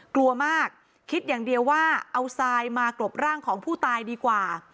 กลัวมากคิดอย่างเดียวว่าเอาทรายมากรบร่างของผู้ตายดีกว่า